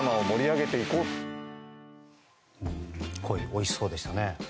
鯉、おいしそうでしたね。